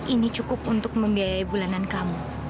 ini cukup untuk membiayai bulanan kamu